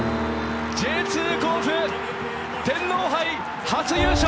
Ｊ２甲府天皇杯初優勝！